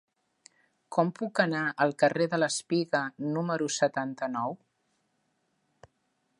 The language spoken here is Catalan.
Com puc anar al carrer de l'Espiga número setanta-nou?